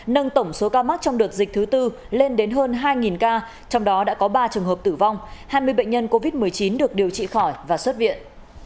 nâng tổng số ca mắc trong đợt dịch thứ tư lên đến hơn hai ca trong đó đã có ba trường hợp tử vong hai mươi bệnh nhân covid một mươi chín được điều trị khỏi và xuất viện